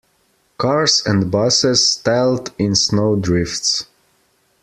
Cars and busses stalled in snow drifts.